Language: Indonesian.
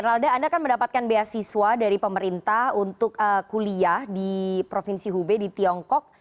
ralda anda kan mendapatkan beasiswa dari pemerintah untuk kuliah di provinsi hubei di tiongkok